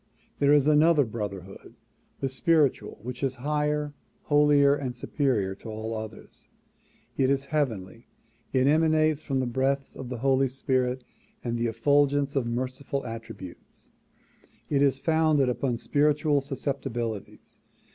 There is another brotherhood, the spiritual, which is higher, holier and superior to all others. It is heavenly; it emanates from the breaths of the Holy Spirit and the effulgence of merciful attributes ; it is founded upon spiritual susceptibilities.